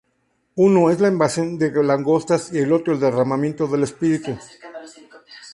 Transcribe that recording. Uno, es la invasión de langostas, y el otro, el derramamiento del Espíritu.